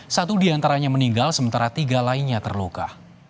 satu diantaranya meninggal sementara tiga lainnya terluka